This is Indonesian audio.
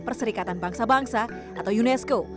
perserikatan bangsa bangsa atau unesco